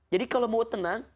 jadi kalau mau tenang